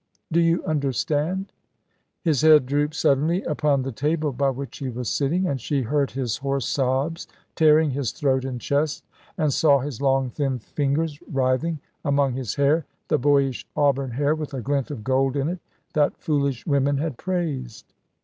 Do you understand?" His head drooped suddenly upon the table by which he was sitting, and she heard his hoarse sobs tearing his throat and chest, and saw his long, thin fingers writhing among his hair, the boyish auburn hair with a glint of gold in it that foolish women had praised.